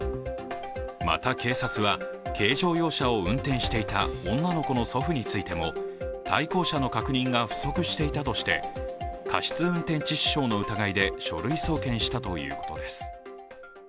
また、警察は軽乗用車を運転していた女の子の祖父についても対向車の確認が不足していたとして、過失運転致死傷の疑いで書類送検したということです。